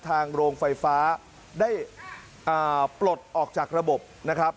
โรงไฟฟ้าได้ปลดออกจากระบบนะครับ